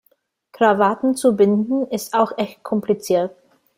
Krawatten zu binden, ist auch echt kompliziert.